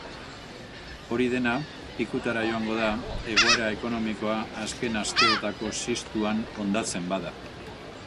Hori dena pikutara joango da, egoera ekonomikoa azken asteotako ziztuan hondatzen bada.